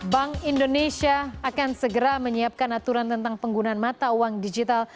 bank indonesia akan segera menyiapkan aturan tentang penggunaan mata uang digital